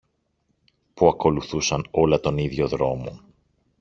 που ακολουθούσαν όλα τον ίδιο δρόμο